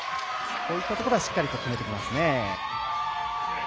こういったところはしっかりと決めてきますね。